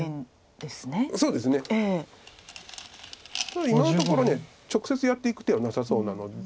ただ今のところ直接やっていく手はなさそうなので。